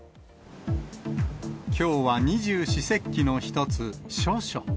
きょうは二十四節気の一つ、処暑。